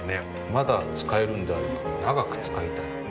まだ使えるんであれば長く使いたい。